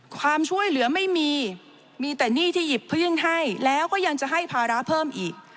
ความช่วยเหลือไม่มีมีแต่หนี้ที่หยิบพึ่งให้แล้วก็ยังจะให้ภาระเพิ่มอีก